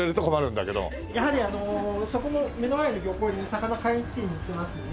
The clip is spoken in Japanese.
やはりそこの目の前の漁港に魚を買い付けに行きますので。